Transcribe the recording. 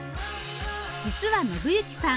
実は信行さん